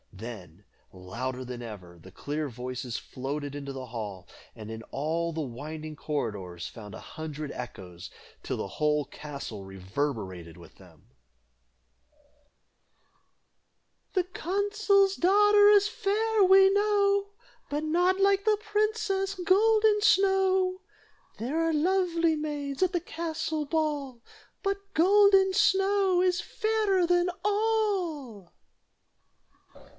Then, louder than ever, the clear voices floated into the hall, and in all the winding corridors found a hundred echoes, till the whole castle reverberated with them: "The consul's daughter is fair, we know, But not like the princess Golden Snow. There are lovely maids at the castle ball, But Golden Snow is fairer than all."